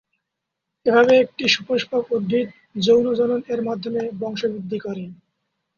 এভাবে একটি সপুষ্পক উদ্ভিদ যৌন জনন -এর মাধ্যমে বংশ বৃদ্ধি করে।